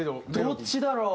どっちだろう？